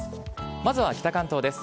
まずは北関東です。